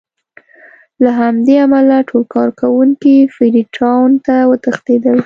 له همدې امله ټول کارکوونکي فري ټاون ته وتښتېدل.